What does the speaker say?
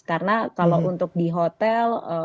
karena kalau untuk di hotel